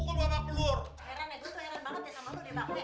ya muka lo tuh kan jelek banget nih banget